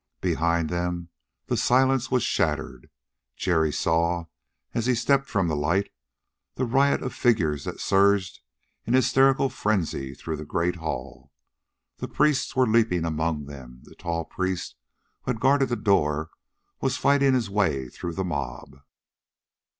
Behind them the silence was shattered. Jerry saw, as he stepped from the light, the riot of figures that surged in hysterical frenzy through the great hall. The priests were leaping among them ... the tall priest who had guarded the door was fighting his way through the mob.